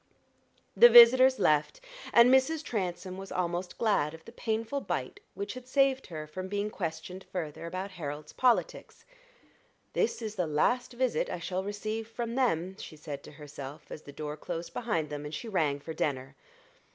The visitors left, and Mrs. Transome was almost glad of the painful bite which had saved her from being questioned further about Harold's politics. "This is the last visit I shall receive from them," she said to herself as the door closed behind them, and she rang for Denner.